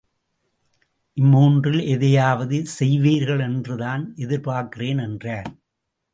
இம்மூன்றில் எதையாவது செய்வீர்களென்றுதான் எதிர்பார்க்கிறேன் என்றார்.